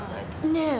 ねえ。